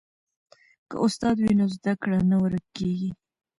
که استاد وي نو زده کړه نه ورکیږي.